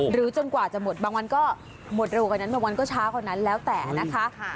จนกว่าจะหมดบางวันก็หมดเร็วกว่านั้นบางวันก็ช้ากว่านั้นแล้วแต่นะคะ